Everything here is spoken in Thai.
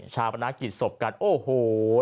ชาวประนะกิจศพกันโอ้โห